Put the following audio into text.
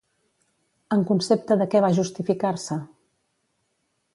En concepte de què va justificar-se?